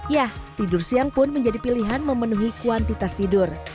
ya tidur siang pun menjadi pilihan memenuhi kuantitas tidur